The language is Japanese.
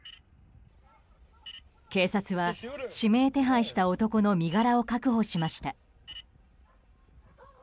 警察は指名手配した男の身柄を確保しました。